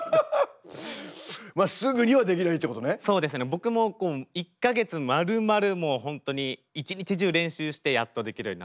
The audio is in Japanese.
僕も１か月まるまるもう本当に一日中練習してやっとできるようになったという。